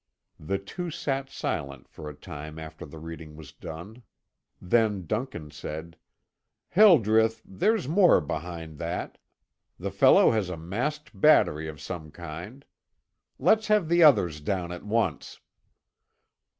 The two sat silent for a time after the reading was done. Then Duncan said: "Hildreth, there's more behind that; the fellow has a masked battery of some kind. Let's have the others down at once."